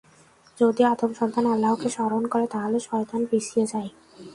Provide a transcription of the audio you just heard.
যদি আদম সন্তান আল্লাহকে স্মরণ করে তাহলে শয়তান পিছিয়ে যায়।